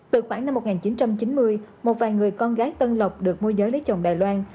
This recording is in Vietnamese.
từ khoảng năm một nghìn chín trăm chín mươi một vài người con gái tân lộc được môi giới lấy chồng đài loan